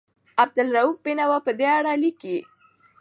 عبدالرؤف بېنوا په دې اړه لیکي.